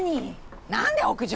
何で屋上？